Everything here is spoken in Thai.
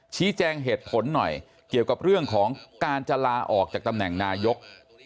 ชี้แจงเหตุผลหน่อยเกี่ยวกับเรื่องของการจะลาออกจากตำแหน่งนายก